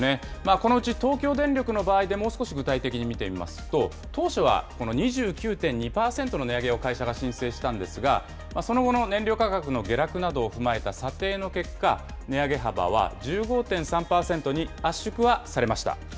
このうち東京電力の場合でもう少し具体的に見てみますと、当初は２９．２％の値上げを会社が申請したんですが、その後の燃料価格の下落などを踏まえた査定の結果、値上げ幅は１５．３％に圧縮はされました。